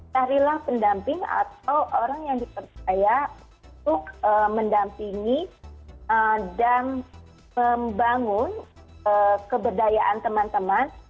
carilah pendamping atau orang yang dipercaya untuk mendampingi dan membangun keberdayaan teman teman